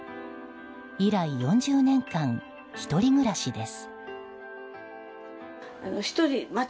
以来４０年間、１人暮らしです。